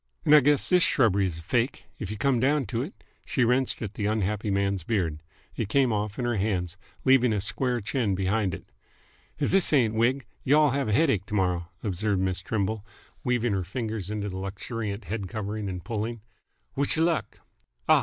"'nd I guess all this shrubbery is fake, 'f you come down to it!" She wrenched at the unhappy man's beard. It came off in her hands, leaving a square chin behind it. "If this ain't a wig, y'll have a headache t'morrow," observed Miss Trimble, weaving her fingers into his luxuriant head covering and pulling. "Wish y' luck! Ah!